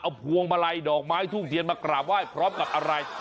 เอาพวงมาลัยดอกไม้ทูบเทียนมากราบไหว้พร้อมกับอะไร